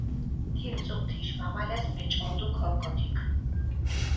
თიმ წუნთიშ მამალას მეჭყორდჷ ქორქოთიქ.